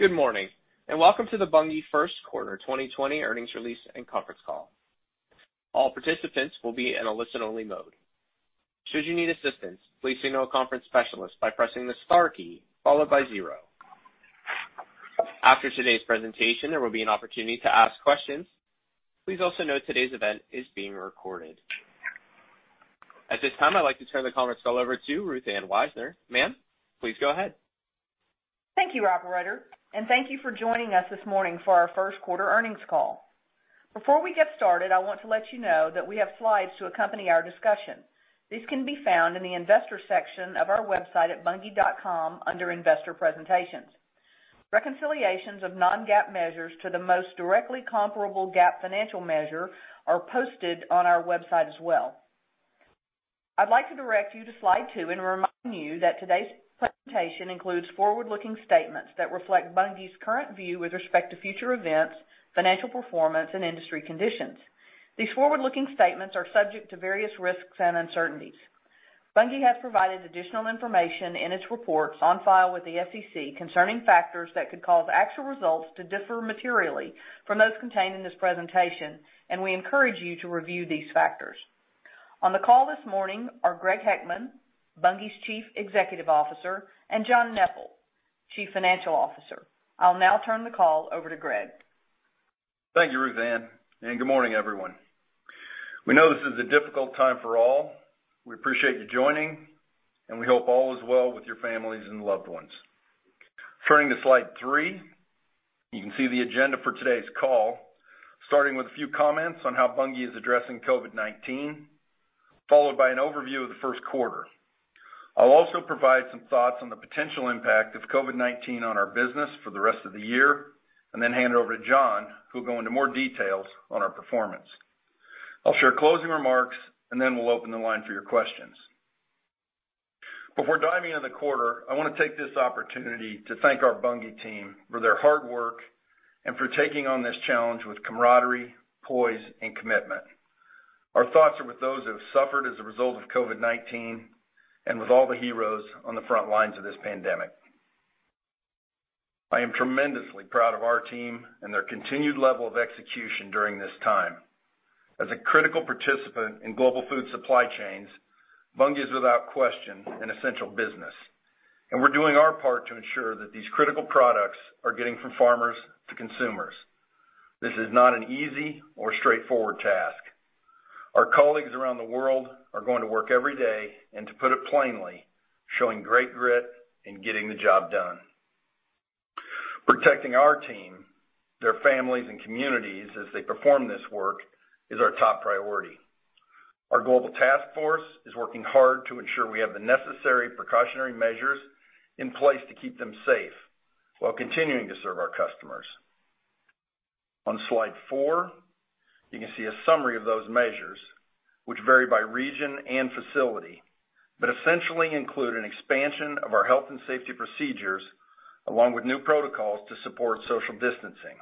Good morning, welcome to the Bunge first quarter 2020 earnings release and conference call. All participants will be in a listen-only mode. Should you need assistance, please signal a conference specialist by pressing the star key followed by zero. After today's presentation, there will be an opportunity to ask questions. Please also note today's event is being recorded. At this time, I'd like to turn the conference call over to Ruth Ann Wisener. Ma'am, please go ahead. Thank you, operator, and thank you for joining us this morning for our first quarter earnings call. Before we get started, I want to let you know that we have slides to accompany our discussion. These can be found in the investor section of our website at bunge.com under Investor Presentations. Reconciliations of non-GAAP measures to the most directly comparable GAAP financial measure are posted on our website as well. I'd like to direct you to slide two and remind you that today's presentation includes forward-looking statements that reflect Bunge's current view with respect to future events, financial performance and industry conditions. These forward-looking statements are subject to various risks and uncertainties. Bunge has provided additional information in its reports on file with the SEC concerning factors that could cause actual results to differ materially from those contained in this presentation, and we encourage you to review these factors. On the call this morning are Greg Heckman, Bunge's Chief Executive Officer, and John Neppl, Chief Financial Officer. I'll now turn the call over to Greg. Thank you, Ruth Ann, and good morning, everyone. We know this is a difficult time for all. We appreciate you joining, and we hope all is well with your families and loved ones. Turning to slide three, you can see the agenda for today's call, starting with a few comments on how Bunge is addressing COVID-19, followed by an overview of the first quarter. I'll also provide some thoughts on the potential impact of COVID-19 on our business for the rest of the year, and then hand it over to John, who'll go into more details on our performance. I'll share closing remarks, and then we'll open the line for your questions. Before diving into the quarter, I want to take this opportunity to thank our Bunge team for their hard work and for taking on this challenge with camaraderie, poise and commitment. Our thoughts are with those who have suffered as a result of COVID-19 and with all the heroes on the front lines of this pandemic. I am tremendously proud of our team and their continued level of execution during this time. As a critical participant in global food supply chains, Bunge is, without question, an essential business, and we're doing our part to ensure that these critical products are getting from farmers to consumers. This is not an easy or straightforward task. Our colleagues around the world are going to work every day, and to put it plainly, showing great grit in getting the job done. Protecting our team, their families, and communities as they perform this work is our top priority. Our global task force is working hard to ensure we have the necessary precautionary measures in place to keep them safe while continuing to serve our customers. On slide four, you can see a summary of those measures, which vary by region and facility, but essentially include an expansion of our health and safety procedures, along with new protocols to support social distancing.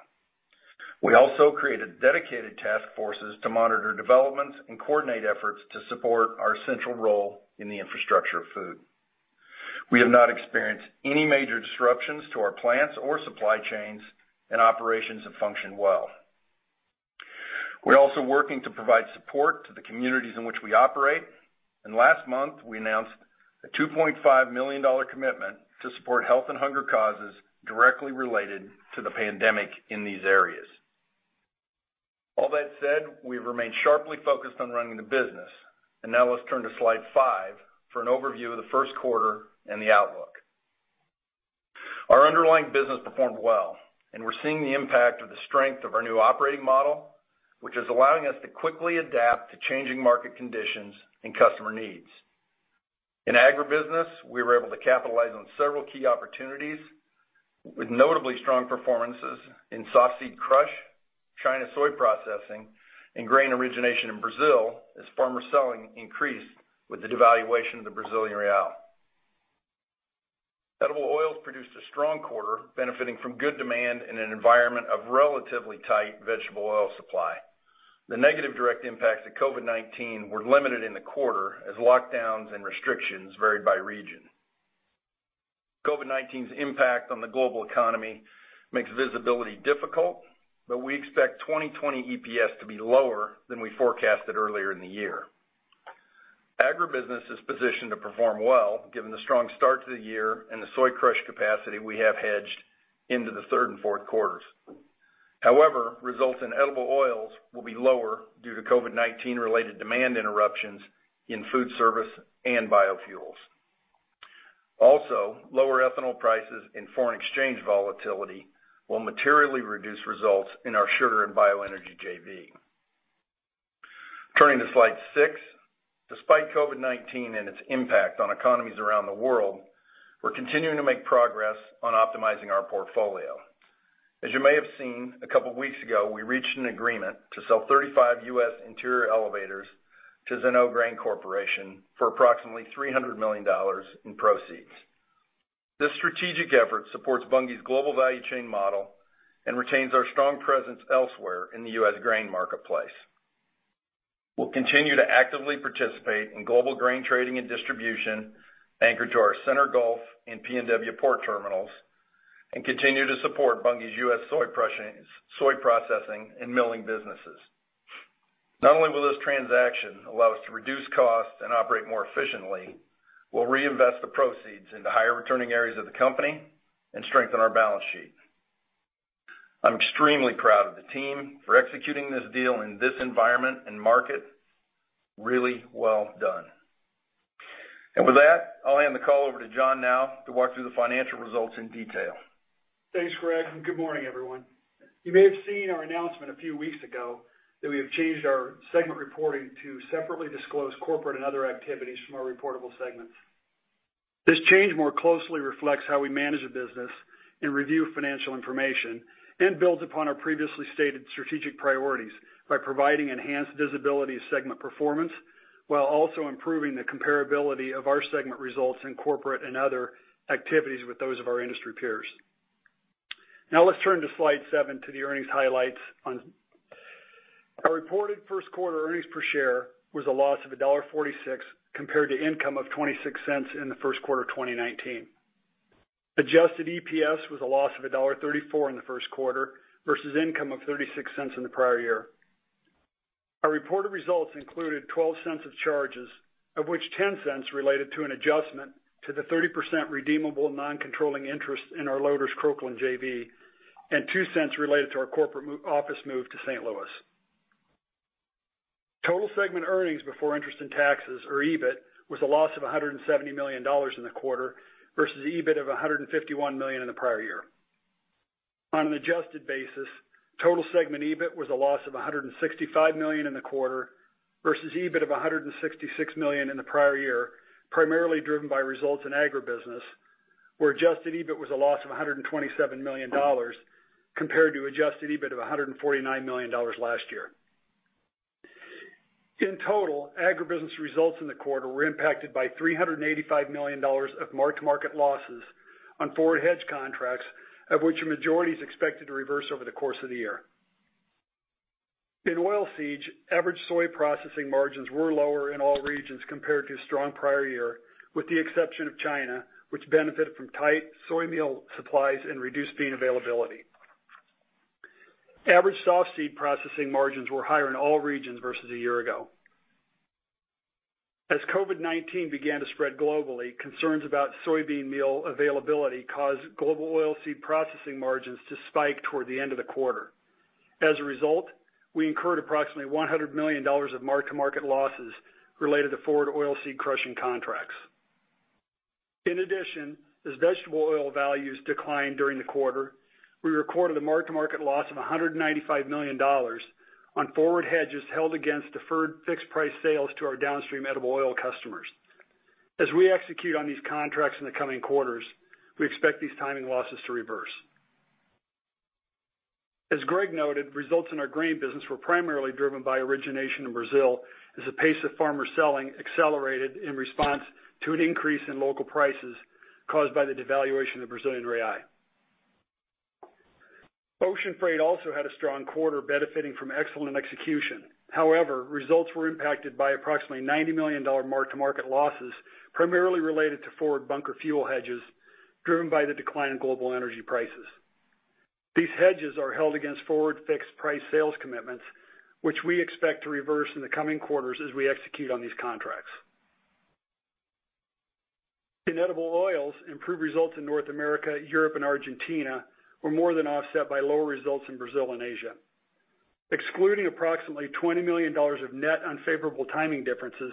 We also created dedicated task forces to monitor developments and coordinate efforts to support our central role in the infrastructure of food. We have not experienced any major disruptions to our plants or supply chains, and operations have functioned well. We're also working to provide support to the communities in which we operate. Last month, we announced a $2.5 million commitment to support health and hunger causes directly related to the pandemic in these areas. All that said, we've remained sharply focused on running the business. Now let's turn to slide five for an overview of the first quarter and the outlook. Our underlying business performed well, and we're seeing the impact of the strength of our new operating model, which is allowing us to quickly adapt to changing market conditions and customer needs. In Agribusiness, we were able to capitalize on several key opportunities with notably strong performances in softseed crush, China soy processing, and grain origination in Brazil as farmer selling increased with the devaluation of the Brazilian real. Edible oils produced a strong quarter benefiting from good demand in an environment of relatively tight vegetable oil supply. The negative direct impacts of COVID-19 were limited in the quarter as lockdowns and restrictions varied by region. COVID-19's impact on the global economy makes visibility difficult, but we expect 2020 EPS to be lower than we forecasted earlier in the year. Agribusiness is positioned to perform well given the strong start to the year and the soy crush capacity we have hedged into the third and fourth quarters. However, results in edible oils will be lower due to COVID-19 related demand interruptions in food service and biofuels. Also, lower ethanol prices and foreign exchange volatility will materially reduce results in our Sugar and Bioenergy JV. Turning to slide six. Despite COVID-19 and its impact on economies around the world, we're continuing to make progress on optimizing our portfolio. As you may have seen, a couple of weeks ago, we reached an agreement to sell 35 U.S. interior elevators to Zen-Noh Grain Corporation for approximately $300 million in proceeds. This strategic effort supports Bunge's global value chain model and retains our strong presence elsewhere in the U.S. grain marketplace. We'll continue to actively participate in global grain trading and distribution anchored to our Center Gulf and PNW port terminals, and continue to support Bunge's U.S. soy processing and milling businesses. Not only will this transaction allow us to reduce costs and operate more efficiently, we'll reinvest the proceeds into higher returning areas of the company and strengthen our balance sheet. I'm extremely proud of the team for executing this deal in this environment and market. Really well done. With that, I'll hand the call over to John now to walk through the financial results in detail. Thanks, Greg. Good morning, everyone. You may have seen our announcement a few weeks ago that we have changed our segment reporting to separately disclose corporate and other activities from our reportable segments. This change more closely reflects how we manage the business and review financial information and builds upon our previously stated strategic priorities by providing enhanced visibility of segment performance, while also improving the comparability of our segment results in corporate and other activities with those of our industry peers. Let's turn to slide seven to the earnings highlights. Our reported first quarter earnings per share was a loss of $1.46 compared to income of $0.26 in the first quarter of 2019. Adjusted EPS was a loss of $1.34 in the first quarter versus income of $0.36 in the prior year. Our reported results included $0.12 of charges, of which $0.10 related to an adjustment to the 30% redeemable non-controlling interest in our Loders Croklaan JV, and $0.02 related to our corporate office move to St. Louis. Total segment earnings before interest and taxes, or EBIT, was a loss of $170 million in the quarter versus EBIT of $151 million in the prior year. On an adjusted basis, total segment EBIT was a loss of $165 million in the quarter versus EBIT of $166 million in the prior year, primarily driven by results in Agribusiness, where adjusted EBIT was a loss of $127 million compared to adjusted EBIT of $149 million last year. In total, Agribusiness results in the quarter were impacted by $385 million of mark-to-market losses on forward hedge contracts, of which a majority is expected to reverse over the course of the year. In oilseed, average soy processing margins were lower in all regions compared to strong prior year, with the exception of China, which benefited from tight soy meal supplies and reduced bean availability. Average softseed processing margins were higher in all regions versus a year ago. As COVID-19 began to spread globally, concerns about soybean meal availability caused global oilseed processing margins to spike toward the end of the quarter. As a result, we incurred approximately $100 million of mark-to-market losses related to forward oilseed crushing contracts. In addition, as vegetable oil values declined during the quarter, we recorded a mark-to-market loss of $195 million on forward hedges held against deferred fixed price sales to our downstream edible oil customers. As we execute on these contracts in the coming quarters, we expect these timing losses to reverse. As Greg noted, results in our Grain business were primarily driven by origination in Brazil as the pace of farmer selling accelerated in response to an increase in local prices caused by the devaluation of Brazilian real. Ocean Freight also had a strong quarter benefiting from excellent execution. Results were impacted by approximately $90 million mark-to-market losses, primarily related to forward bunker fuel hedges driven by the decline in global energy prices. These hedges are held against forward fixed price sales commitments, which we expect to reverse in the coming quarters as we execute on these contracts. In edible oils, improved results in North America, Europe, and Argentina were more than offset by lower results in Brazil and Asia. Excluding approximately $20 million of net unfavorable timing differences,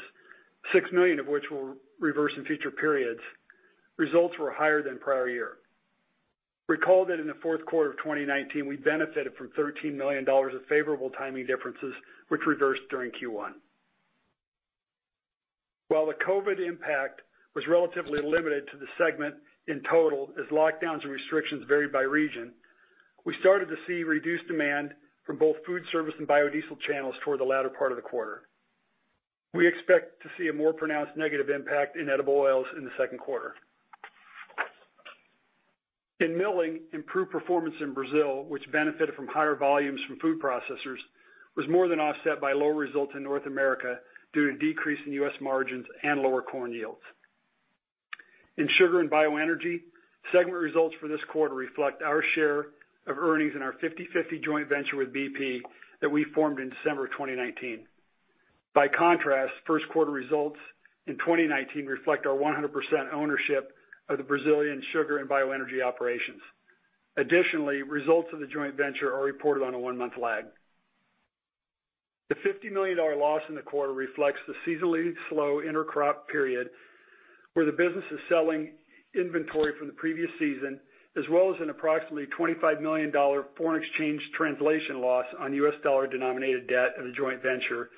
$6 million of which will reverse in future periods, results were higher than prior year. Recall that in the fourth quarter of 2019, we benefited from $13 million of favorable timing differences, which reversed during Q1. While the COVID impact was relatively limited to the segment in total as lockdowns and restrictions varied by region, we started to see reduced demand from both food service and biodiesel channels toward the latter part of the quarter. We expect to see a more pronounced negative impact in edible oils in the second quarter. In Milling, improved performance in Brazil, which benefited from higher volumes from food processors, was more than offset by lower results in North America due to decrease in U.S. margins and lower corn yields. In Sugar and Bioenergy, segment results for this quarter reflect our share of earnings in our 50/50 joint venture with BP that we formed in December 2019. By contrast, first quarter results in 2019 reflect our 100% ownership of the Brazilian Sugar and Bioenergy operations. Additionally, results of the joint venture are reported on a one-month lag. The $50 million loss in the quarter reflects the seasonally slow intercrop period where the business is selling inventory from the previous season, as well as an approximately $25 million foreign exchange translation loss on U.S. dollar denominated debt of the joint venture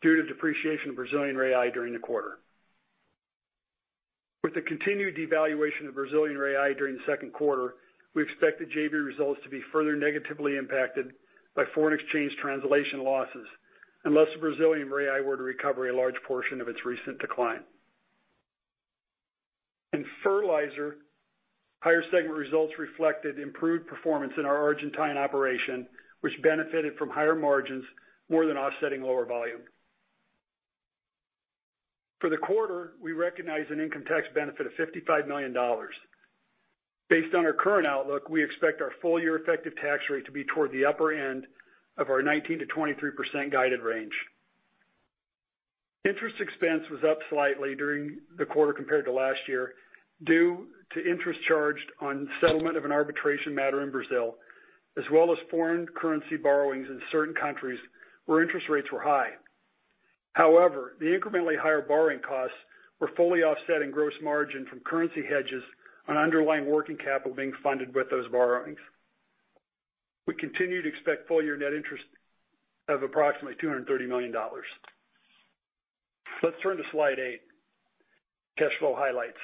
due to depreciation of Brazilian real during the quarter. With the continued devaluation of Brazilian real during the second quarter, we expect the JV results to be further negatively impacted by foreign exchange translation losses, unless the Brazilian real were to recover a large portion of its recent decline. In fertilizer, higher segment results reflected improved performance in our Argentine operation, which benefited from higher margins more than offsetting lower volume. For the quarter, we recognized an income tax benefit of $55 million. Based on our current outlook, we expect our full-year effective tax rate to be toward the upper end of our 19%-23% guided range. Interest expense was up slightly during the quarter compared to last year, due to interest charged on settlement of an arbitration matter in Brazil, as well as foreign currency borrowings in certain countries where interest rates were high. However, the incrementally higher borrowing costs were fully offset in gross margin from currency hedges on underlying working capital being funded with those borrowings. We continue to expect full-year net interest of approximately $230 million. Let's turn to slide eight, cash flow highlights.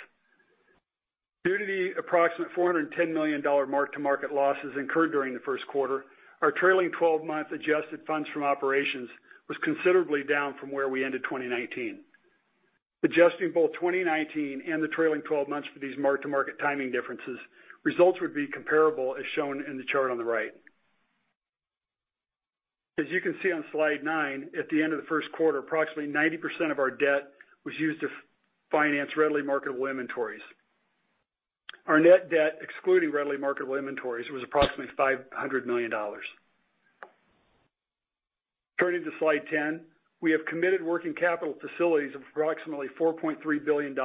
Due to the approximate $410 million mark-to-market losses incurred during the first quarter, our trailing 12-month adjusted funds from operations was considerably down from where we ended 2019. Adjusting both 2019 and the trailing 12 months for these mark-to-market timing differences, results would be comparable as shown in the chart on the right. As you can see on slide nine, at the end of the first quarter, approximately 90% of our debt was used to finance readily marketable inventories. Our net debt, excluding readily marketable inventories, was approximately $500 million. Turning to slide 10, we have committed working capital facilities of approximately $4.3 billion,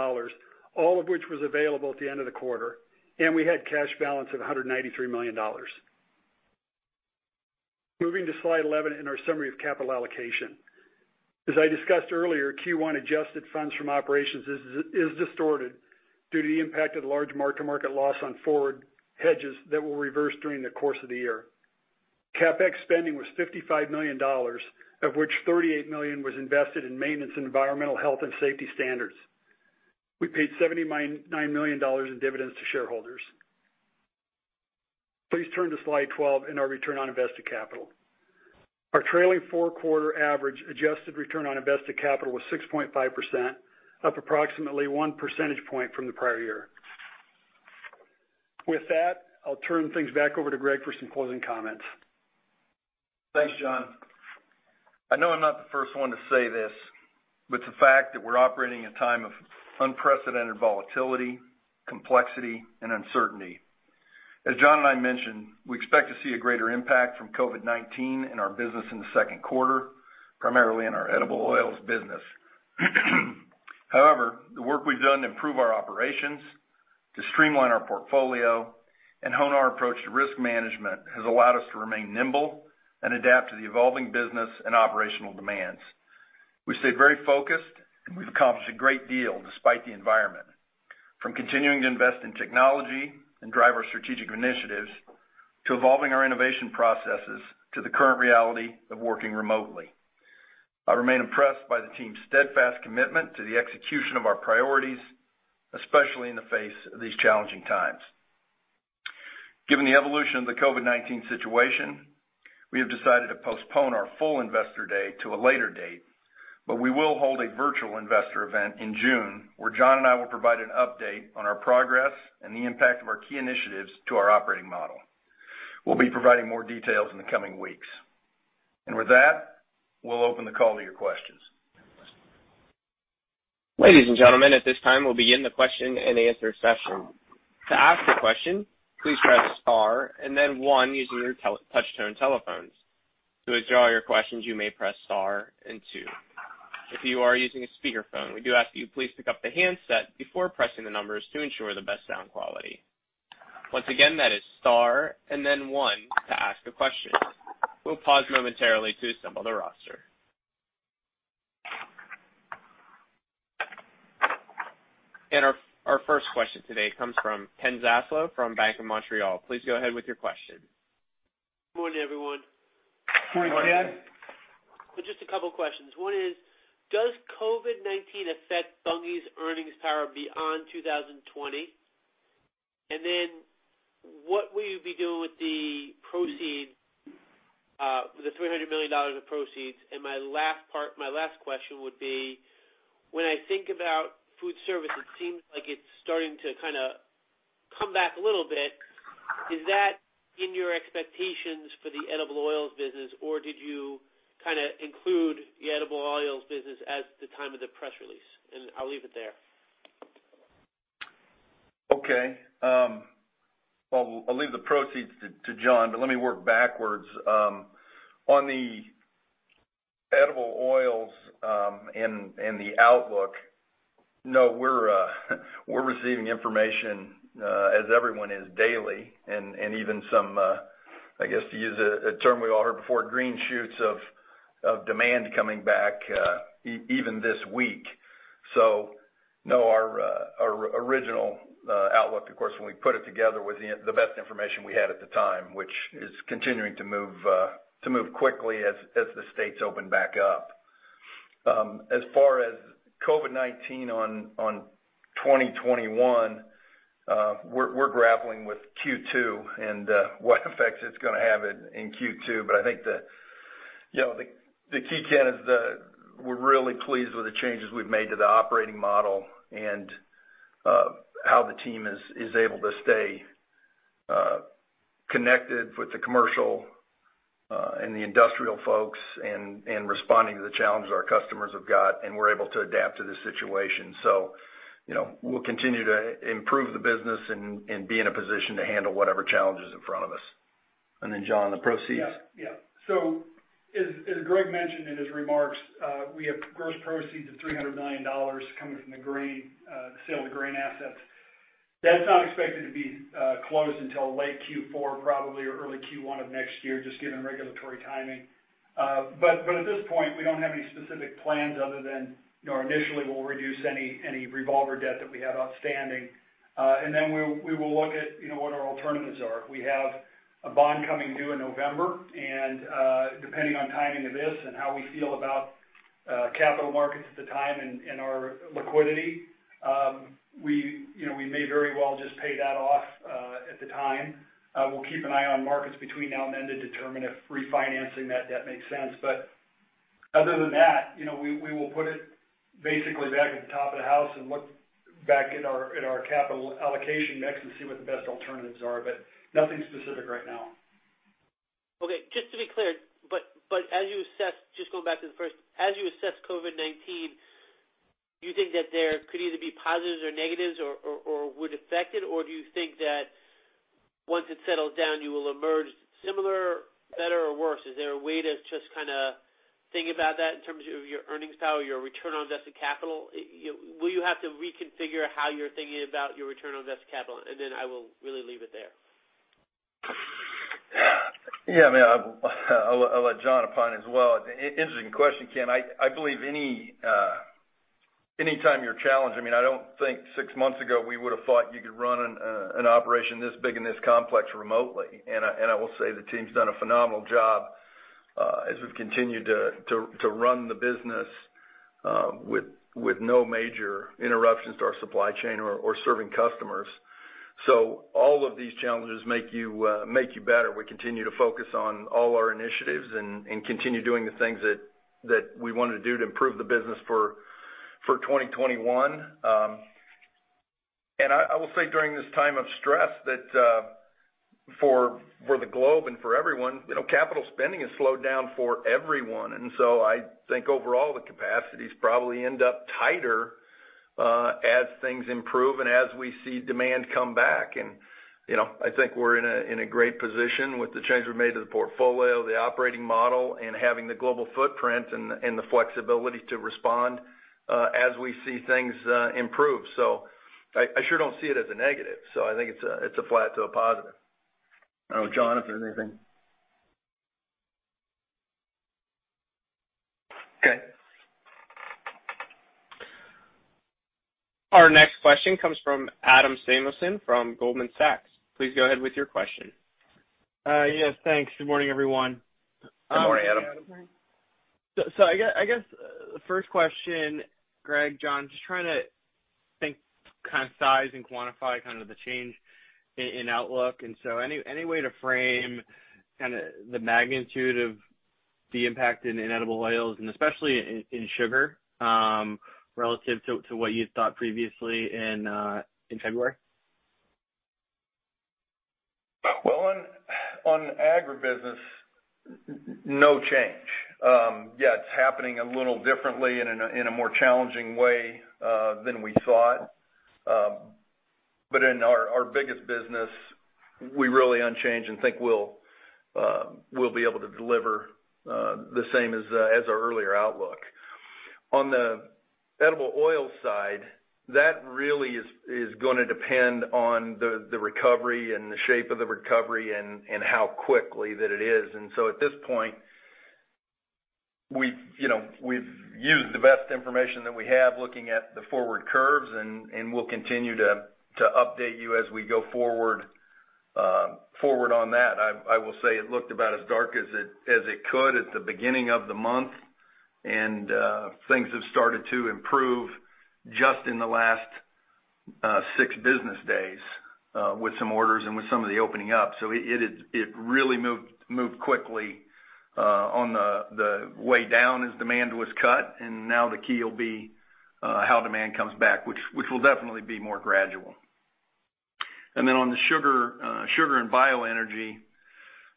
all of which was available at the end of the quarter, and we had cash balance of $193 million. Moving to slide 11 in our summary of capital allocation. As I discussed earlier, Q1 adjusted funds from operations is distorted due to the impact of the large mark-to-market loss on forward hedges that will reverse during the course of the year. CapEx spending was $55 million, of which $38 million was invested in maintenance and environmental health and safety standards. We paid $79 million in dividends to shareholders. Please turn to slide 12 in our return on invested capital. Our trailing four-quarter average adjusted return on invested capital was 6.5%, up approximately one percentage point from the prior year. With that, I'll turn things back over to Greg for some closing comments. Thanks, John. I know I'm not the first one to say this, but the fact that we're operating in a time of unprecedented volatility, complexity, and uncertainty. As John and I mentioned, we expect to see a greater impact from COVID-19 in our business in the second quarter, primarily in our edible oils business. However, the work we've done to improve our operations, to streamline our portfolio, and hone our approach to risk management has allowed us to remain nimble and adapt to the evolving business and operational demands. We've stayed very focused, and we've accomplished a great deal despite the environment, from continuing to invest in technology and drive our strategic initiatives, to evolving our innovation processes to the current reality of working remotely. I remain impressed by the team's steadfast commitment to the execution of our priorities, especially in the face of these challenging times. Given the evolution of the COVID-19 situation, we have decided to postpone our Full Investor day to a later date. We will hold a virtual investor event in June where John and I will provide an update on our progress and the impact of our key initiatives to our operating model. We'll be providing more details in the coming weeks. With that, we'll open the call to your questions. Ladies and gentlemen, at this time, we'll begin the question and answer session. To ask a question, please press star and then one using your touch-tone telephones. To withdraw your questions, you may press star and two. If you are using a speakerphone, we do ask you please pick up the handset before pressing the numbers to ensure the best sound quality. Once again, that is star and then one to ask a question. We'll pause momentarily to assemble the roster. Our first question today comes from Ken Zaslow from Bank of Montreal. Please go ahead with your question. Good morning, everyone. Good morning. Good morning. Just a couple of questions. One is, does COVID-19 affect Bunge's earnings power beyond 2020? What will you be doing with the $300 million of proceeds? My last question would be, when I think about food service, it seems like it's starting to kind of come back a little bit. Is that in your expectations for the edible oils business, or did you kind of include the edible oils business at the time of the press release? I'll leave it there. Okay. Well, I'll leave the proceeds to John, but let me work backwards. On the edible oils and the outlook, no, we're receiving information, as everyone is, daily, and even some, I guess, to use a term we've all heard before, green shoots of demand coming back even this week. No, our original outlook, of course, when we put it together, was the best information we had at the time, which is continuing to move quickly as the states open back up. As far as COVID-19 on 2021, we're grappling with Q2 and what effects it's going to have in Q2, but I think the key, Ken, is that we're really pleased with the changes we've made to the operating model and how the team is able to stay connected with the commercial and the industrial folks in responding to the challenges our customers have got, and we're able to adapt to the situation. We'll continue to improve the business and be in a position to handle whatever challenge is in front of us. John, the proceeds. As Greg mentioned in his remarks, we have gross proceeds of $300 million coming from the sale of the grain assets. That's not expected to be closed until late Q4 probably, or early Q1 of next year, just given regulatory timing. At this point, we don't have any specific plans other than initially we'll reduce any revolver debt that we have outstanding. Then we will look at what our alternatives are. We have a bond coming due in November, and depending on timing of this and how we feel about capital markets at the time and our liquidity, we may very well just pay that off at the time. We'll keep an eye on markets between now and then to determine if refinancing that debt makes sense. Other than that, we will put it basically back at the top of the house and look back at our capital allocation mix and see what the best alternatives are, but nothing specific right now. Okay. Just to be clear, just going back to the first, as you assess COVID-19, do you think that there could either be positives or negatives or would affect it, or do you think that once it settles down, you will emerge similar, better, or worse? Is there a way to just kind of think about that in terms of your earnings power, your return on invested capital? I will really leave it there. Yeah. I'll let John opine as well. Interesting question, Ken. I believe any time you're challenged, I don't think six months ago we would've thought you could run an operation this big and this complex remotely. I will say the team's done a phenomenal job as we've continued to run the business with no major interruptions to our supply chain or serving customers. All of these challenges make you better. We continue to focus on all our initiatives and continue doing the things that we want to do to improve the business for 2021. I will say during this time of stress that for the globe and for everyone, capital spending has slowed down for everyone. I think overall the capacities probably end up tighter as things improve and as we see demand come back. I think we're in a great position with the changes we've made to the portfolio, the operating model, and having the global footprint and the flexibility to respond as we see things improve. I sure don't see it as a negative. I think it's a flat to a positive. I don't know, John, if there is anything. Okay. Our next question comes from Adam Samuelson from Goldman Sachs. Please go ahead with your question. Yes, thanks. Good morning, everyone. Good morning, Adam. Good morning. I guess the first question, Greg, John, just trying to think kind of size and quantify kind of the change in outlook. Any way to frame kind of the magnitude of the impact in edible oils, and especially in sugar relative to what you thought previously in February? Well, on Agribusiness, no change. Yeah, it's happening a little differently and in a more challenging way than we thought. In our biggest business, we really unchanged and think we'll be able to deliver the same as our earlier outlook. On the edible oil side, that really is going to depend on the recovery and the shape of the recovery and how quickly that it is. At this point, we've used the best information that we have looking at the forward curves, and we'll continue to update you as we go forward on that. I will say it looked about as dark as it could at the beginning of the month. Things have started to improve just in the last six business days with some orders and with some of the opening up. It really moved quickly on the way down as demand was cut, and now the key will be how demand comes back, which will definitely be more gradual. On the Sugar and Bioenergy,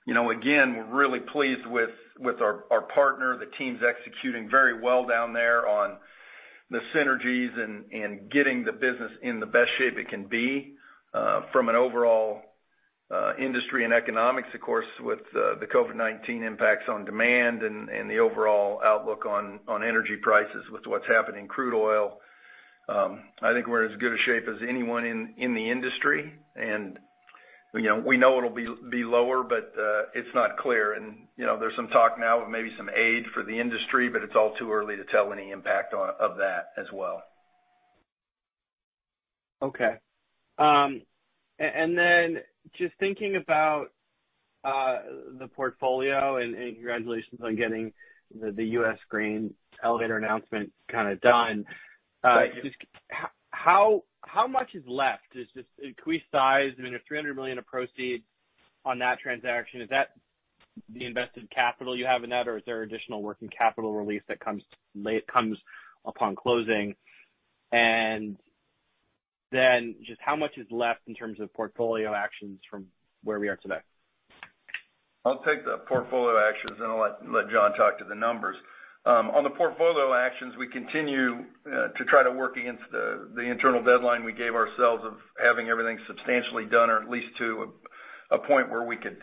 again, we're really pleased with our partner. The team's executing very well down there on the synergies and getting the business in the best shape it can be from an overall industry and economics, of course, with the COVID-19 impacts on demand and the overall outlook on energy prices with what's happening in crude oil. I think we're in as good a shape as anyone in the industry. We know it'll be lower, but it's not clear. There's some talk now of maybe some aid for the industry, but it's all too early to tell any impact of that as well. Okay. Just thinking about the portfolio, and congratulations on getting the U.S. Grain elevator announcement kind of done. How much is left? Is this increased size? I mean, if $300 million of proceeds on that transaction, is that the invested capital you have in that, or is there additional working capital release that comes upon closing? Just how much is left in terms of portfolio actions from where we are today? I'll take the portfolio actions, and I'll let John talk to the numbers. On the portfolio actions, we continue to try to work against the internal deadline we gave ourselves of having everything substantially done or at least to a point where we could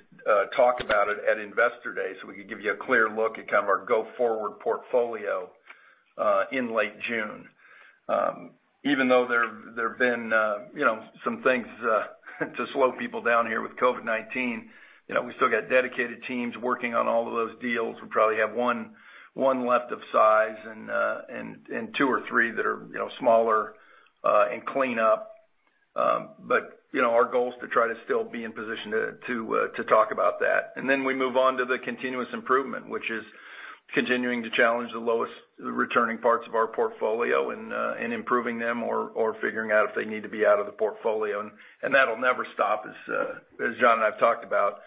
talk about it at Investor Day, so we could give you a clear look at kind of our go-forward portfolio in late June. Even though there have been some things to slow people down here with COVID-19, we still got dedicated teams working on all of those deals. We probably have one left of size and two or three that are smaller in cleanup. Our goal is to try to still be in position to talk about that. We move on to the continuous improvement, which is continuing to challenge the lowest returning parts of our portfolio and improving them or figuring out if they need to be out of the portfolio. That'll never stop. As John and I've talked about,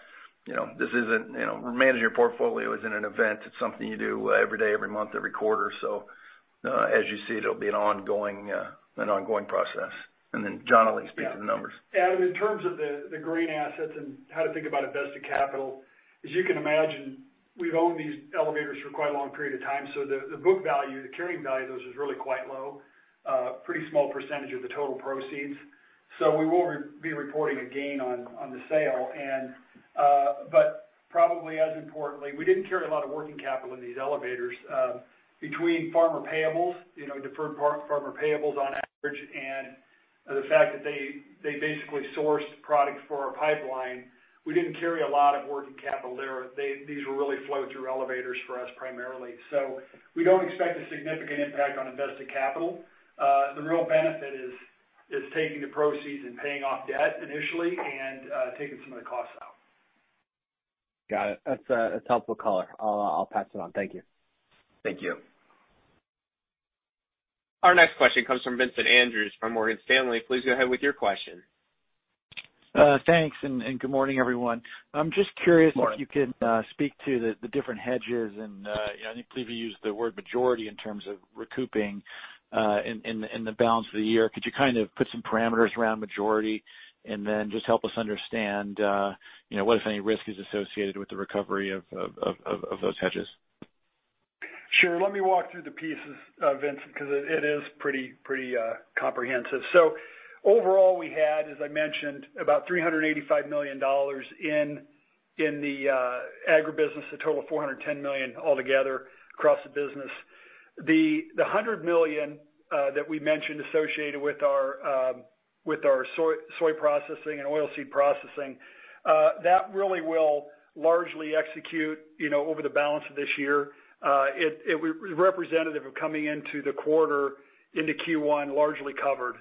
managing your portfolio isn't an event. It's something you do every day, every month, every quarter. As you see, it'll be an ongoing process. John will speak to the numbers. Adam, in terms of the grain assets and how to think about invested capital, as you can imagine, we've owned these elevators for quite a long period of time, so the book value, the carrying value of those is really quite low. A pretty small percentage of the total proceeds. Probably as importantly, we didn't carry a lot of working capital in these elevators. Between farmer payables, deferred farmer payables on average, and the fact that they basically sourced products for our pipeline, we didn't carry a lot of working capital there. These were really flow-through elevators for us primarily. We don't expect a significant impact on invested capital. The real benefit is taking the proceeds and paying off debt initially and taking some of the costs out. Got it. That's a helpful color. I'll pass it on. Thank you. Thank you. Our next question comes from Vincent Andrews from Morgan Stanley. Please go ahead with your question. Thanks, good morning, everyone. Good morning. I'm just curious if you can speak to the different hedges and I think Lee used the word majority in terms of recouping in the balance of the year. Could you kind of put some parameters around majority and then just help us understand what, if any, risk is associated with the recovery of those hedges? Sure. Let me walk through the pieces, Vincent, because it is pretty comprehensive. Overall, we had, as I mentioned, about $385 million in the Agribusiness, a total of $410 million altogether across the business. The $100 million that we mentioned associated with our soy processing and oil seed processing, that really will largely execute over the balance of this year. It was representative of coming into the quarter into Q1 largely covered.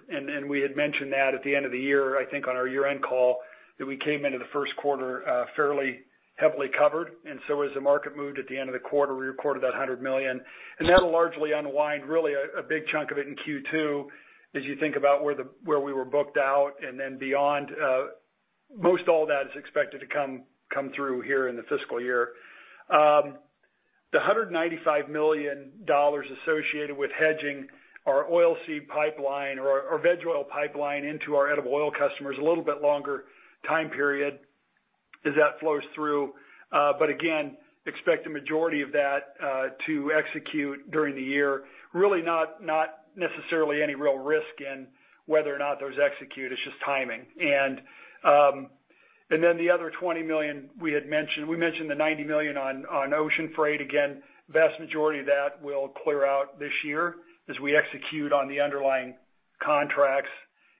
We had mentioned that at the end of the year, I think on our year-end call, that we came into the first quarter fairly heavily covered. As the market moved at the end of the quarter, we recorded that $100 million. That'll largely unwind really a big chunk of it in Q2 as you think about where we were booked out and then beyond. Most all that is expected to come through here in the fiscal year. The $195 million associated with hedging our oil seed pipeline or veg oil pipeline into our edible oil customers, a little bit longer time period as that flows through. Again, expect the majority of that to execute during the year. Really not necessarily any real risk in whether or not those execute. It's just timing. The other $20 million we had mentioned. We mentioned the $90 million on ocean freight. Again, vast majority of that will clear out this year as we execute on the underlying contracts.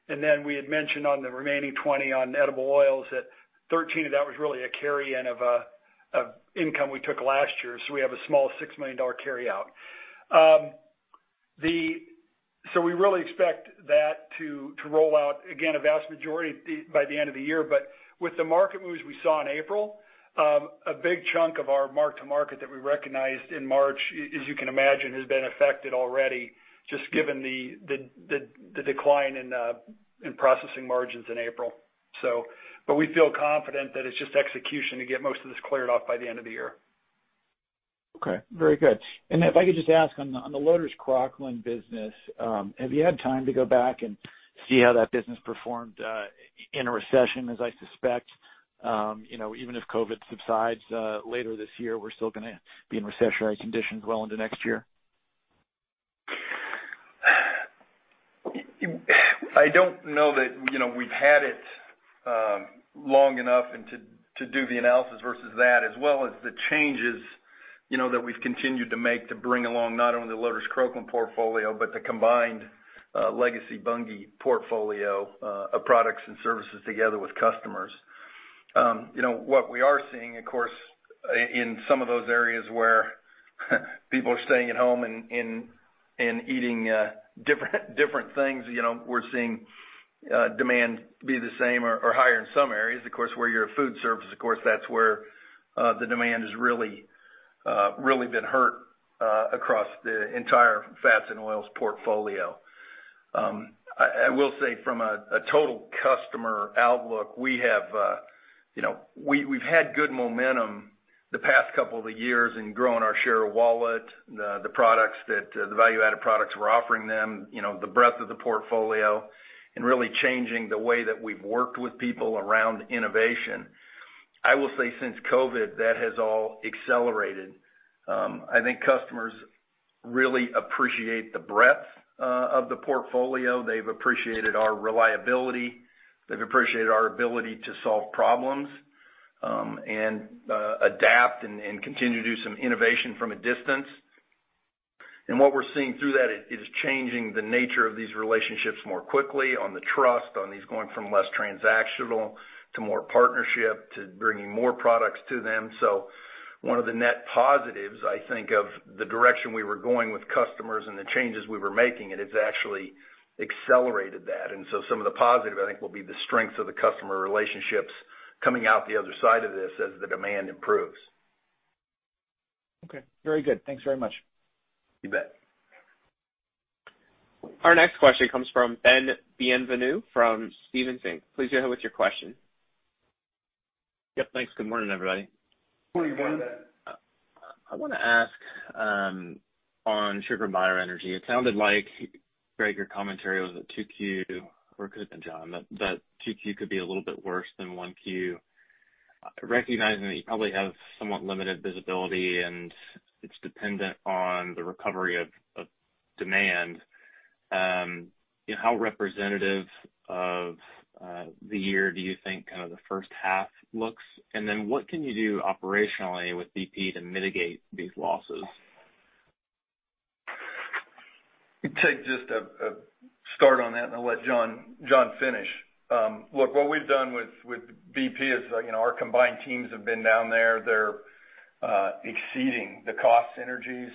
We had mentioned on the remaining $20 on edible oils, that $13 of that was really a carry-in of income we took last year. We have a small $6 million carry-out. We really expect that to roll out, again, a vast majority by the end of the year. With the market moves we saw in April, a big chunk of our mark-to-market that we recognized in March, as you can imagine, has been affected already just given the decline in processing margins in April. We feel confident that it's just execution to get most of this cleared off by the end of the year. Okay. Very good. If I could just ask on the Loders Croklaan business, have you had time to go back and see how that business performed in a recession, as I suspect even if COVID subsides later this year, we're still going to be in recessionary conditions well into next year? I don't know that we've had it long enough to do the analysis versus that, as well as the changes that we've continued to make to bring along not only the Loders Croklaan portfolio, but the combined legacy Bunge portfolio of products and services together with customers. What we are seeing, of course, in some of those areas where people are staying at home and eating different things, we're seeing demand be the same or higher in some areas. Of course, where you're a food service, of course, that's where the demand has really been hurt. Across the entire fats and oils portfolio. I will say from a total customer outlook, we've had good momentum the past couple of years in growing our share of wallet, the value-added products we're offering them, the breadth of the portfolio, and really changing the way that we've worked with people around innovation. I will say since COVID, that has all accelerated. I think customers really appreciate the breadth of the portfolio. They've appreciated our reliability. They've appreciated our ability to solve problems, and adapt and continue to do some innovation from a distance. What we're seeing through that is changing the nature of these relationships more quickly on the trust, on these going from less transactional to more partnership, to bringing more products to them. One of the net positives, I think of the direction we were going with customers and the changes we were making, it has actually accelerated that. Some of the positive, I think, will be the strength of the customer relationships coming out the other side of this as the demand improves. Okay. Very good. Thanks very much. You bet. Our next question comes from Ben Bienvenu from Stephens Inc. Please go ahead with your question. Yep. Thanks. Good morning, everybody. Morning, Ben. I want to ask on Sugar, Bioenergy. It sounded like, Greg, your commentary was that 2Q or it could have been John, that 2Q could be a little bit worse than 1Q. Recognizing that you probably have somewhat limited visibility and it's dependent on the recovery of demand, how representative of the year do you think the first half looks? Then what can you do operationally with BP to mitigate these losses? Take just a start on that, and I'll let John finish. Look, what we've done with BP is our combined teams have been down there. They're exceeding the cost synergies,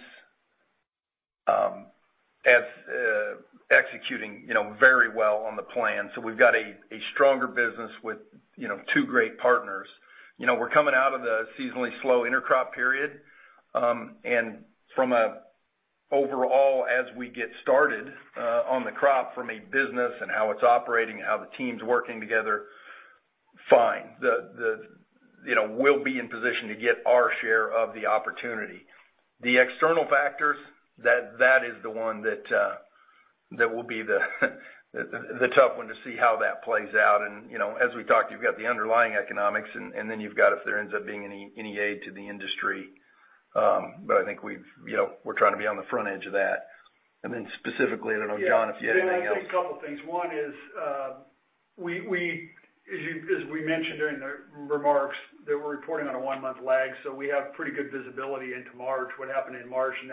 executing very well on the plan. We've got a stronger business with two great partners. We're coming out of the seasonally slow intercrop period. From an overall, as we get started on the crop from a business and how it's operating and how the team's working together, fine. We'll be in position to get our share of the opportunity. The external factors, that is the one that will be the tough one to see how that plays out. As we talked, you've got the underlying economics, and then you've got if there ends up being any aid to the industry. I think we're trying to be on the front edge of that. Specifically, I don't know, John, if you had anything else? Yeah, Ben, I think a couple of things. One is, as we mentioned during the remarks, that we're reporting on a one-month lag, so we have pretty good visibility into March, what happened in March, and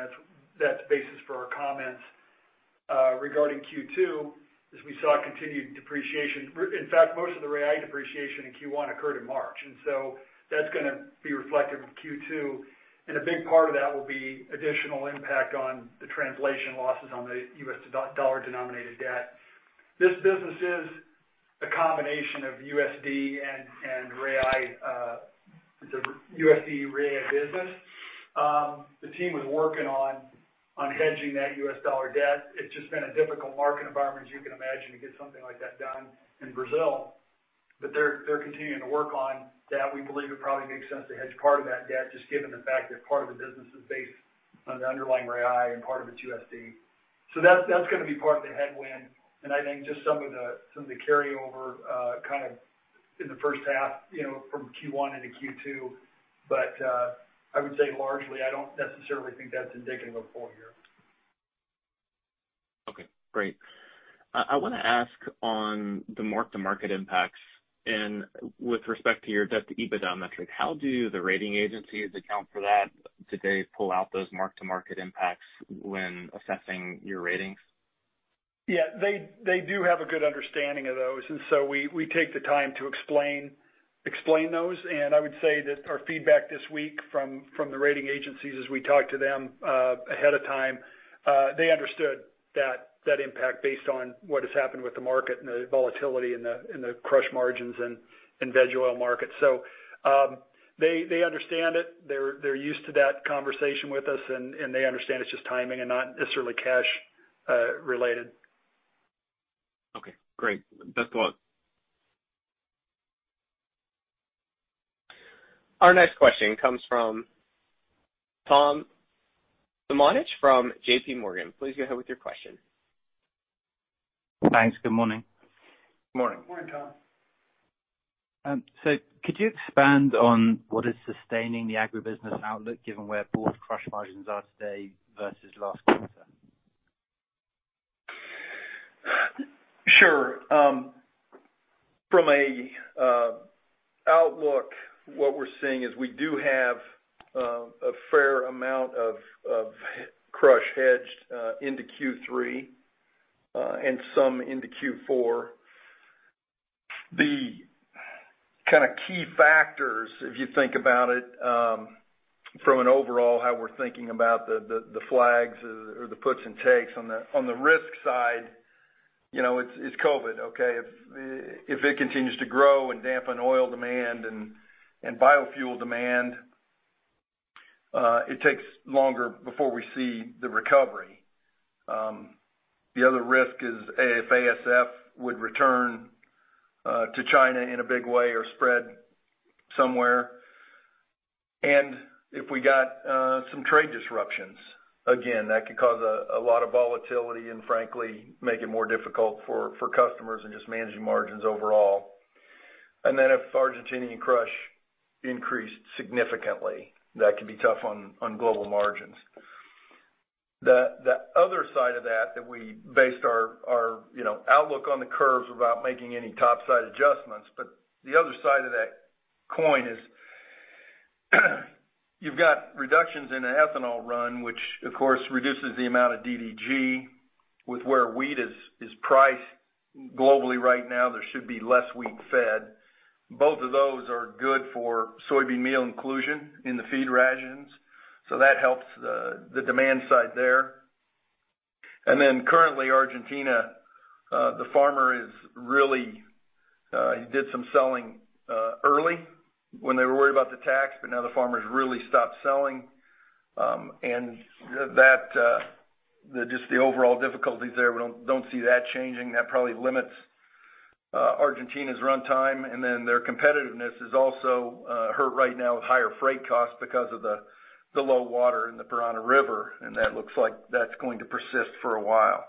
that's basis for our comments. Regarding Q2, as we saw continued depreciation. In fact, most of the Brazilian real depreciation in Q1 occurred in March, and that's going to be reflective of Q2. A big part of that will be additional impact on the translation losses on the USD denominated debt. This business is a combination of USD and the USD Brazilian real business. The team was working on hedging that USD debt. It's just been a difficult market environment, as you can imagine, to get something like that done in Brazil. They're continuing to work on that. We believe it probably makes sense to hedge part of that debt, just given the fact that part of the business is based on the underlying real and part of it's USD. That's going to be part of the headwind, and I think just some of the carryover in the first half from Q1 into Q2. I would say largely, I don't necessarily think that's indicative of full year. Okay, great. I want to ask on the mark-to-market impacts and with respect to your debt-to-EBITDA metric, how do the rating agencies account for that? Do they pull out those mark-to-market impacts when assessing your ratings? Yeah, they do have a good understanding of those. We take the time to explain those. I would say that our feedback this week from the rating agencies as we talk to them ahead of time, they understood that impact based on what has happened with the market and the volatility in the crush margins and veg oil market. They understand it. They're used to that conversation with us, and they understand it's just timing and not necessarily cash related. Okay, great. Best of luck. Our next question comes from Tom Simonitsch from JPMorgan. Please go ahead with your question. Thanks. Good morning. Morning. Morning, Tom. Could you expand on what is sustaining the Agribusiness outlook, given where both crush margins are today versus last quarter? Sure. From an outlook, what we're seeing is we do have a fair amount of crush hedged into Q3, and some into Q4. The kind of key factors, if you think about it, from an overall how we're thinking about the flags or the puts and takes on the risk side. It's COVID, okay. If it continues to grow and dampen oil demand and biofuel demand, it takes longer before we see the recovery. The other risk is if ASF would return to China in a big way or spread somewhere. If we got some trade disruptions, again, that could cause a lot of volatility and frankly, make it more difficult for customers in just managing margins overall. If Argentinian crush increased significantly, that could be tough on global margins. The other side of that we based our outlook on the curves without making any top-side adjustments, but the other side of that coin is you've got reductions in the ethanol run, which of course reduces the amount of DDG. With where wheat is priced globally right now, there should be less wheat fed. Both of those are good for soybean meal inclusion in the feed rations. That helps the demand side there. Currently Argentina, the farmer really did some selling early when they were worried about the tax, but now the farmers really stopped selling. Just the overall difficulties there, we don't see that changing. That probably limits Argentina's runtime, and then their competitiveness is also hurt right now with higher freight costs because of the low water in the Paraná River, and that looks like that's going to persist for a while.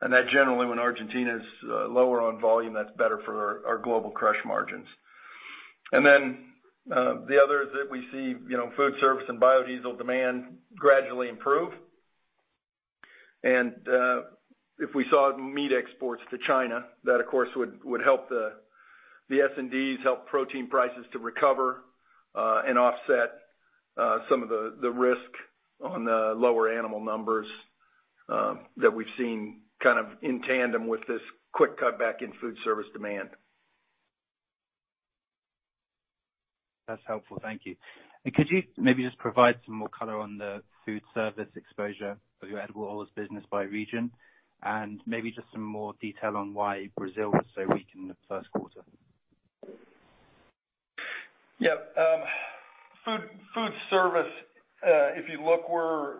That generally, when Argentina is lower on volume, that's better for our global crush margins. Then the other is that we see food service and biodiesel demand gradually improve. If we saw meat exports to China, that of course would help the S&Ds, help protein prices to recover, and offset some of the risk on the lower animal numbers that we've seen kind of in tandem with this quick cutback in food service demand. That's helpful. Thank you. Could you maybe just provide some more color on the food service exposure of your edible oils business by region, and maybe just some more detail on why Brazil was so weak in the first quarter? Food service, if you look, we're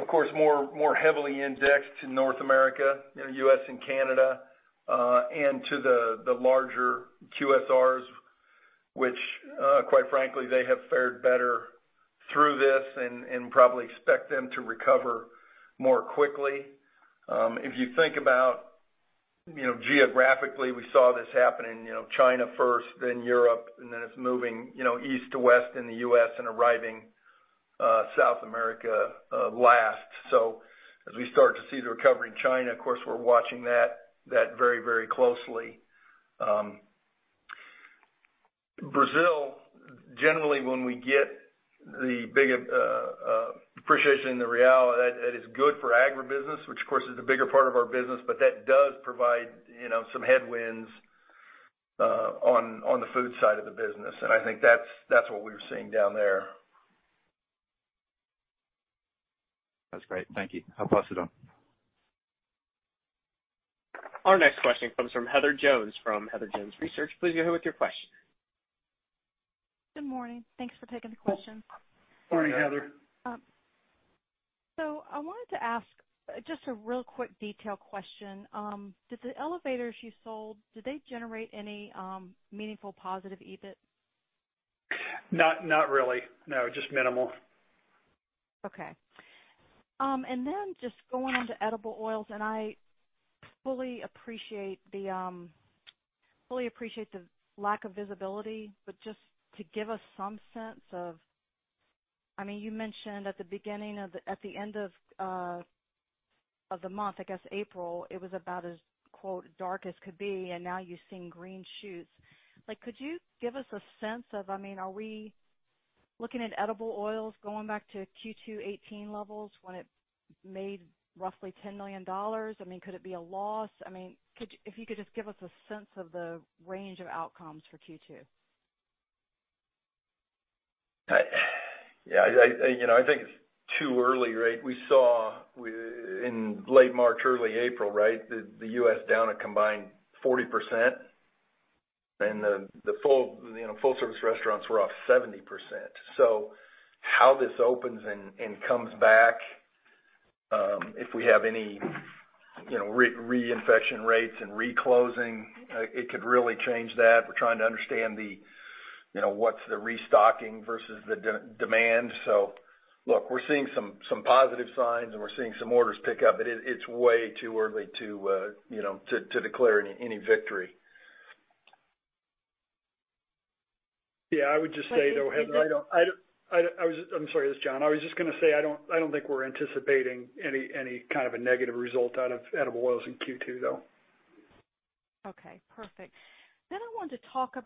of course more heavily indexed to North America, U.S. and Canada, and to the larger QSRs, which quite frankly, they have fared better through this and probably expect them to recover more quickly. If you think about geographically, we saw this happen in China first, then Europe, and then it's moving east to west in the U.S. and arriving South America last. As we start to see the recovery in China, of course, we're watching that very closely. Brazil, generally when we get the big appreciation in the real, that is good for Agribusiness, which of course is the bigger part of our business, but that does provide some headwinds on the food side of the business. I think that's what we're seeing down there. That's great. Thank you. I'll pass it on. Our next question comes from Heather Jones from Heather Jones Research. Please go ahead with your question. Good morning. Thanks for taking the question. Morning, Heather. I wanted to ask just a real quick detail question. Did the elevators you sold, did they generate any meaningful positive EBIT? Not really, no. Just minimal. Okay. Just going on to edible oils. I fully appreciate the lack of visibility. Just to give us some sense of, you mentioned at the end of the month, I guess April, it was about as quote, "dark as could be," now you're seeing green shoots. Could you give us a sense of, are we looking at edible oils going back to Q2 2018 levels when it made roughly $10 million? Could it be a loss? If you could just give us a sense of the range of outcomes for Q2. I think it's too early, right? We saw in late March, early April, right, the U.S. down a combined 40%, and the full service restaurants were off 70%. How this opens and comes back, if we have any reinfection rates and re-closing, it could really change that. We're trying to understand what's the restocking versus the demand. Look, we're seeing some positive signs, and we're seeing some orders pick up, but it's way too early to declare any victory. Yeah, I would just say though, Heather- can you give- I'm sorry, this is John. I was just going to say, I don't think we're anticipating any kind of a negative result out of edible oils in Q2, though. Okay, perfect. I wanted to talk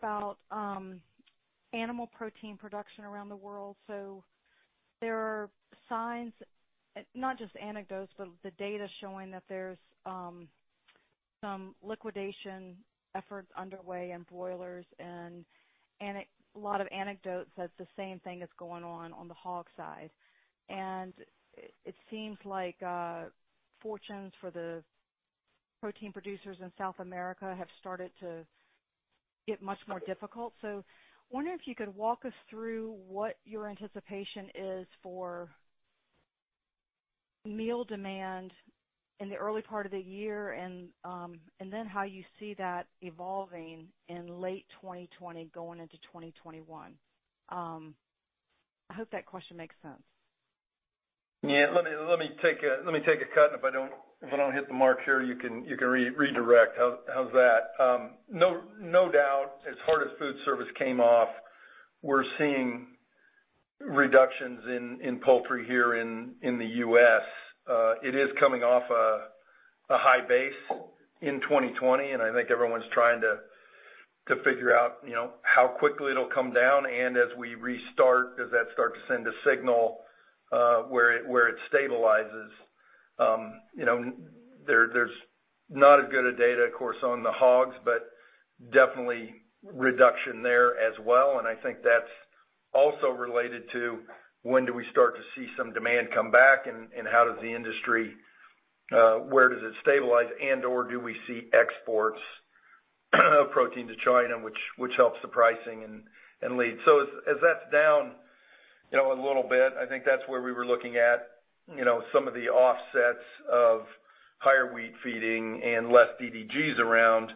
about animal protein production around the world. There are signs, not just anecdotes, but the data showing that there's some liquidation efforts underway in boilers and a lot of anecdotes that the same thing is going on the hog side. It seems like fortunes for the protein producers in South America have started to get much more difficult. Wondering if you could walk us through what your anticipation is for meal demand in the early part of the year and then how you see that evolving in late 2020 going into 2021. I hope that question makes sense. Yeah. Let me take a cut, and if I don't hit the mark here, you can redirect. How's that? No doubt, as hard as food service came off, we're seeing reductions in poultry here in the U.S. I think everyone's trying to figure out how quickly it'll come down. As we restart, does that start to send a signal where it stabilizes? There's not as good a data, of course, on the hogs, but definitely reduction there as well. I think that's also related to when do we start to see some demand come back and where does it stabilize and/or do we see exports of protein to China, which helps the pricing and leads. As that's down a little bit, I think that's where we were looking at some of the offsets of higher wheat feeding and less DDGs around,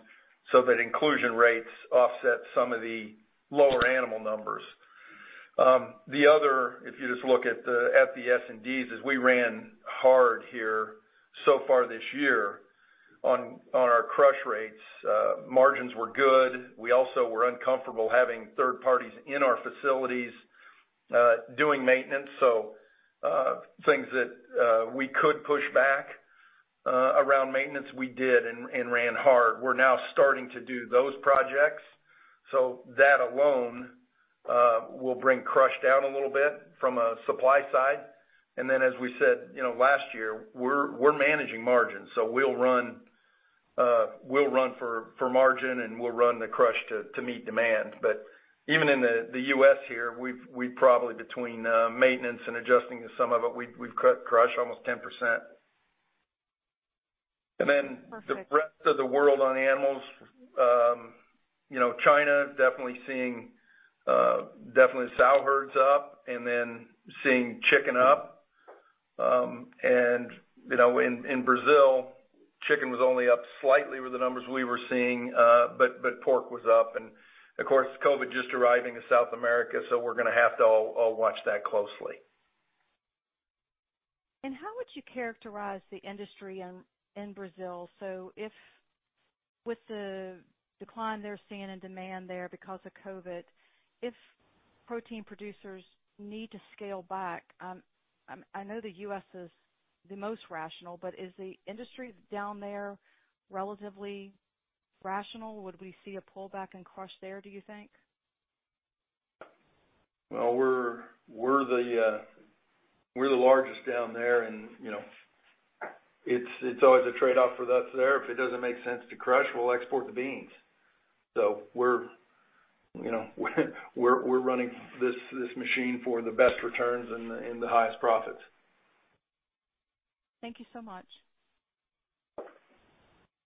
so that inclusion rates offset some of the lower animal numbers. The other, if you just look at the S&Ds, is we ran hard here so far this year on our crush rates. Margins were good. We also were uncomfortable having third parties in our facilities doing maintenance. Things that we could push back around maintenance, we did and ran hard. We're now starting to do those projects. That alone will bring crush down a little bit from a supply side. As we said last year, we're managing margins. We'll run for margin and we'll run the crush to meet demand. Even in the U.S. here, we probably, between maintenance and adjusting to some of it, we've cut crush almost 10%. Perfect. The rest of the world on animals. China, definitely seeing sow herds up and then seeing chicken up. In Brazil, chicken was only up slightly with the numbers we were seeing, but pork was up. Of course, COVID just arriving in South America, so we're going to have to all watch that closely. How would you characterize the industry in Brazil? With the decline they're seeing in demand there because of COVID, if protein producers need to scale back, I know the U.S. is the most rational, but is the industry down there relatively rational? Would we see a pullback in crush there, do you think? We're the largest down there, and it's always a trade-off for us there. If it doesn't make sense to crush, we'll export the beans. We're running this machine for the best returns and the highest profits. Thank you so much.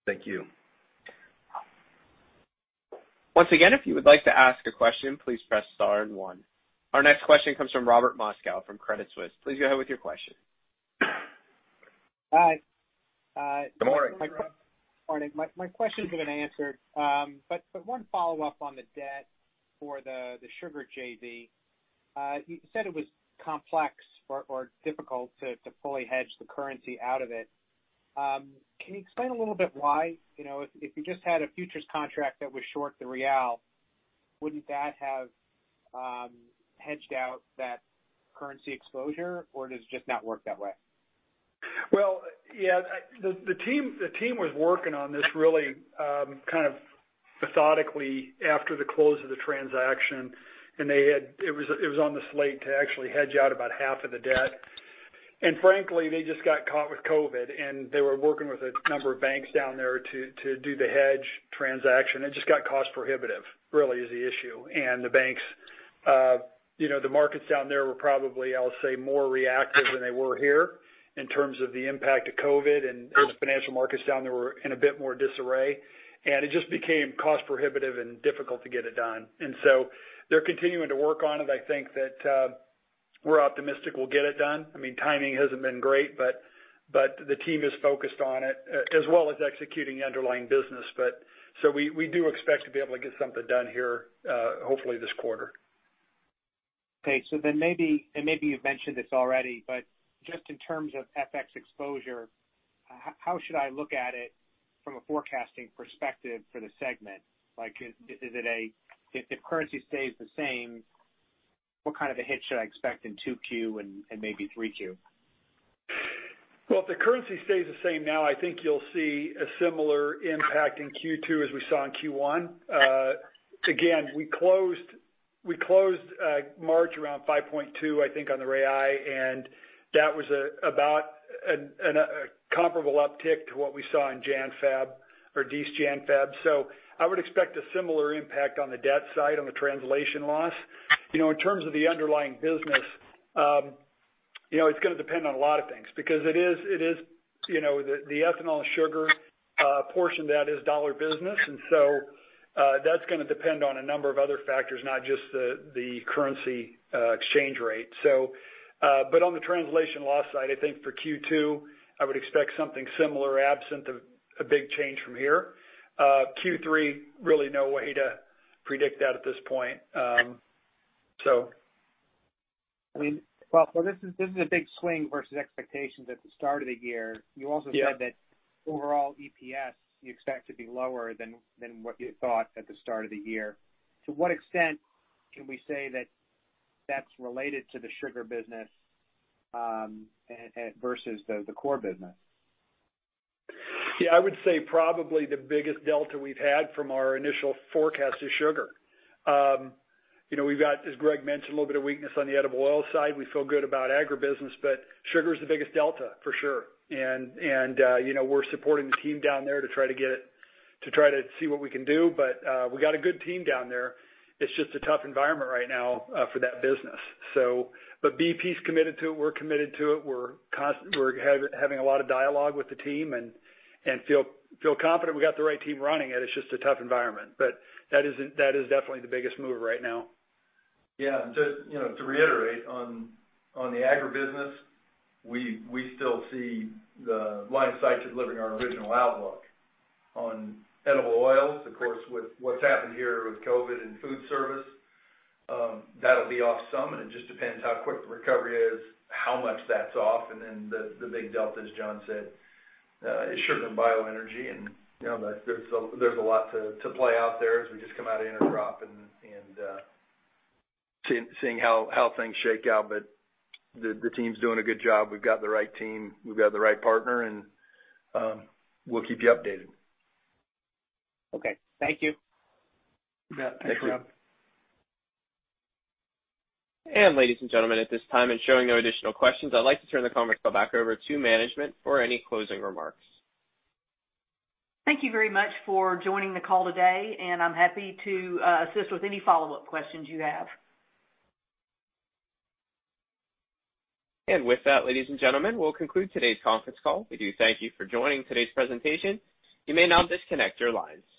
Thank you. Once again, if you would like to ask a question, please press star and one. Our next question comes from Robert Moskow from Credit Suisse. Please go ahead with your question. Hi. Good morning. Morning. My question's been answered, but one follow-up on the debt for the Sugar JV. You said it was complex or difficult to fully hedge the currency out of it. Can you explain a little bit why? If you just had a futures contract that was short the Real, wouldn't that have hedged out that currency exposure, or does it just not work that way? Well, yeah. The team was working on this really kind of methodically after the close of the transaction. It was on the slate to actually hedge out about half of the debt. Frankly, they just got caught with COVID, and they were working with a number of banks down there to do the hedge transaction. It just got cost prohibitive, really is the issue. The markets down there were probably, I'll say, more reactive than they were here in terms of the impact of COVID, and the financial markets down there were in a bit more disarray. It just became cost prohibitive and difficult to get it done. They're continuing to work on it. I think that we're optimistic we'll get it done. Timing hasn't been great, but the team is focused on it, as well as executing the underlying business. We do expect to be able to get something done here, hopefully this quarter. Okay. Maybe you've mentioned this already, but just in terms of FX exposure, how should I look at it from a forecasting perspective for the segment? If the currency stays the same, what kind of a hit should I expect in 2Q and maybe 3Q? Well, if the currency stays the same now, I think you'll see a similar impact in Q2 as we saw in Q1. We closed March around 5.2, I think, on the Real. That was about a comparable uptick to what we saw in January-February or December, January-February. I would expect a similar impact on the debt side, on the translation loss. In terms of the underlying business, it's going to depend on a lot of things because the ethanol and sugar portion of that is dollar business. That's going to depend on a number of other factors, not just the currency exchange rate. On the translation loss side, I think for Q2, I would expect something similar, absent of a big change from here. Q3, really no way to predict that at this point. Well, this is a big swing versus expectations at the start of the year. Yeah. You also said that overall EPS, you expect to be lower than what you thought at the start of the year. To what extent can we say that's related to the sugar business versus the core business? Yeah, I would say probably the biggest delta we've had from our initial forecast is sugar. We've got, as Greg mentioned, a little bit of weakness on the edible oil side. We feel good about Agribusiness. Sugar is the biggest delta, for sure. We're supporting the team down there to try to see what we can do. We got a good team down there. It's just a tough environment right now for that business. BP's committed to it. We're committed to it. We're having a lot of dialogue with the team and feel confident we got the right team running it. It's just a tough environment. That is definitely the biggest move right now. Yeah. To reiterate on the Agribusiness, we still see the line of sight to delivering our original outlook on edible oils. Of course, with what's happened here with COVID and food service, that'll be off some, and it just depends how quick the recovery is, how much that's off. The big delta, as John said, is Sugar and Bioenergy. There's a lot to play out there as we just come out of intercrop and seeing how things shake out. The team's doing a good job. We've got the right team, we've got the right partner, and we'll keep you updated. Okay. Thank you. Yeah. Thanks, Rob. Thank you. Ladies and gentlemen, at this time, showing no additional questions, I'd like to turn the conference call back over to management for any closing remarks. Thank you very much for joining the call today. I'm happy to assist with any follow-up questions you have. With that, ladies and gentlemen, we'll conclude today's conference call. We do thank you for joining today's presentation. You may now disconnect your lines.